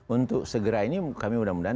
untuk segera ini kami mudah mudahan